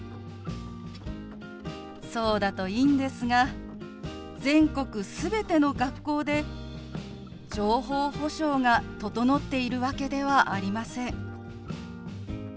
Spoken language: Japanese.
そうだといいんですが全国全ての学校で情報保障が整っているわけではありません。